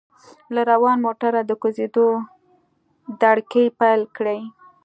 له روان موټره د کوزیدو دړکې پېل کړې.